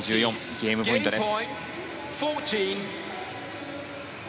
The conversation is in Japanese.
ゲームポイントです。